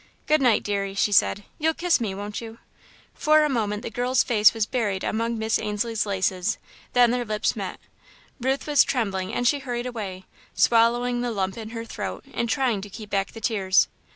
"Good night, deary," she said; "you'll kiss me, won't you?" For a moment the girl's face was buried among Miss Ainslie's laces, then their lips met. Ruth was trembling and she hurried away, swallowing the lump in her throat and trying to keep back the tears.